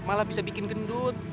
malah bisa bikin gendut